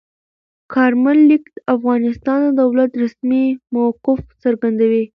کارمل لیک د افغانستان د دولت رسمي موقف څرګندوي.